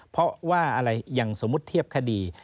เพราะว่าอะไรอย่างสมมุติเทียบคดี